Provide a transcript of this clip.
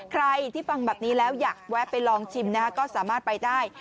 ใครที่ฟังแบบนี้แล้วอยากแวะไปลองชิมนะฮะก็สามารถไปได้